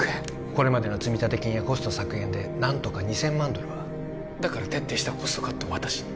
これまでの積立金やコスト削減で何とか２０００万ドルはだから徹底したコストカットを私に？